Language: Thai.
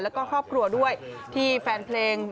แล้วก็ครอบครัวด้วยที่แฟนเพลง